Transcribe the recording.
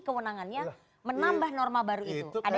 kewenangannya menambah norma baru itu